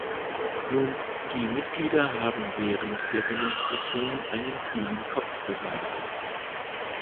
Nun, die Mitglieder haben während der Demonstration einen kühlen Kopf bewahrt.